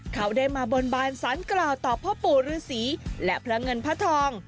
เขาได้มาบนบานสารกล่าวต่อพ่อปู่ฤษีและพระเงินพระทอง